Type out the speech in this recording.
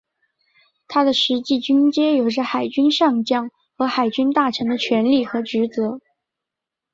他的实际军阶有着海军上将和海军大臣的权力和职责。